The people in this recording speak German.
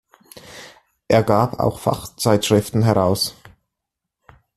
Er gab auch Fachzeitschriften heraus.